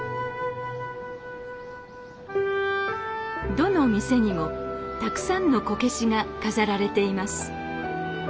どの店にもたくさんのこけしが飾られています。